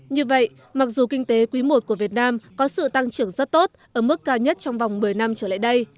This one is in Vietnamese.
như vậy mặc dù kinh tế quý i của việt nam có sự tăng trưởng rất tốt ở mức cao nhất trong vòng một mươi năm trở lại đây